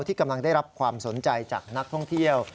ที่กำลังได้รับความสนใจจากนักท่องเที่ยว